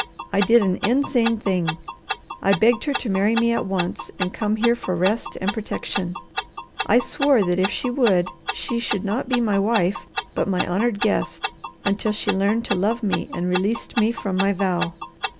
I did an insane thing. I begged her to marry me at once and come here for rest and protection. I swore that if she would, she should not be my wife, but my honoured guest, until she learned to love me and released me from my vow.